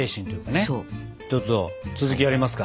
ちょっと続きやりますか。